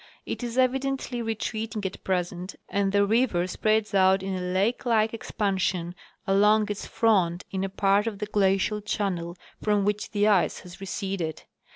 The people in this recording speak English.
It is evidently retreating at present, and the river spreads out in a lake like expansion along its front in a part of the glacial channel from which the ice has receded.